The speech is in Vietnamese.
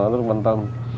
rất quan tâm